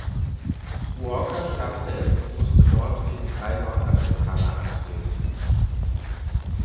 Walker schaffte es und musste dort gegen drei Nordamerikaner antreten.